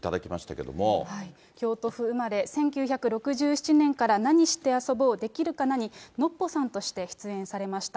けれ京都府生まれ、１９６７年から、なにしてあそぼう、できるかなのノッポさんとして出演されました。